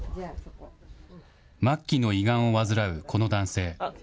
末期の胃がんを患うこの男性。